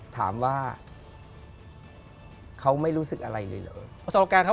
ถามว่าเขาไม่รู้สึกอะไรเลยเหรอ